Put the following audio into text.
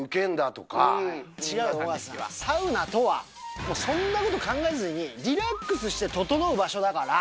違う、尾形さん、サウナとは、そんなこと考えずにリラックスしてととのう場所だから。